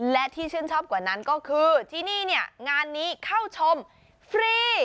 และที่ชื่นชอบกว่านั้นก็คือที่นี่เนี่ยงานนี้เข้าชมฟรี